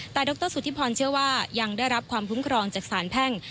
แต่ดรสุธิพรเชื่อว่ายังได้รับความคุ้มครองจากสารแพ่ง